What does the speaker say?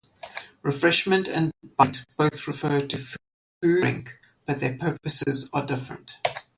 Refreshment and bite both refer to food or drink, but their purposes are different.